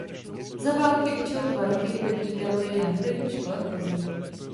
Za války učil dva roky hudební teorii na hudební škole v Plzni.